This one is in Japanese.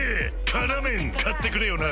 「辛麺」買ってくれよな！